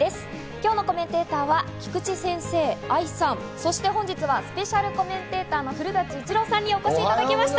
今日のコメンテーターは菊地先生、愛さん、そして本日はスペシャルコメンテーターの古舘伊知郎さんにお越しいただきました。